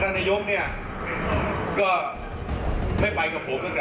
แต่ทารโลเกนะครับมันทำมาบังหน้า